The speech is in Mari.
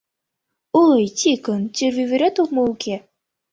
Ой, Тикын, тӱрвӧ вӱрет мо уке?